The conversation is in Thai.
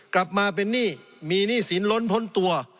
กลับมาเป็นหนี้มีหนี้สินล้นพ้นตัว